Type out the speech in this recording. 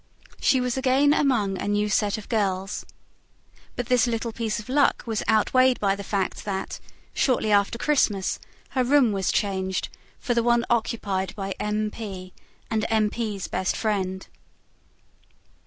She was again among a new set of girls. But this little piece of luck was outweighed by the fact that, shortly after Christmas, her room was changed for the one occupied by M. P., and M. P.'s best friend.